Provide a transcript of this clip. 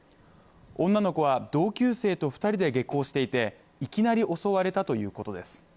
女の子は同級生２人で下校していて、いきなり襲われたということです。